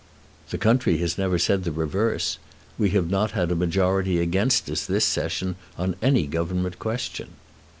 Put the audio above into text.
"The country has never said the reverse. We have not had a majority against us this Session on any Government question."